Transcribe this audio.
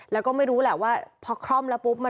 แล้วก็ไม่รู้แบบว่าพอคร่อมละปุ๊บ